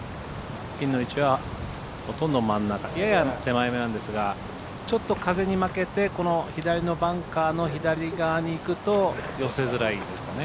ピンの位置は、ほとんど真ん中やや手前なんですがちょっと風に負けてこの左のバンカーの左側にいくと寄せづらいですかね